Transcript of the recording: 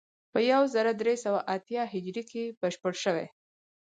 په یو زر درې سوه اتیا هجري کې بشپړ شوی.